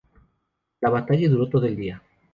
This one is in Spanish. La batalla duró todo el día.